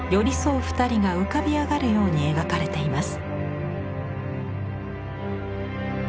２人が浮かび上がるように描かれています。